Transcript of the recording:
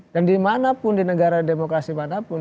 dan dimanapun di negara demokrasi manapun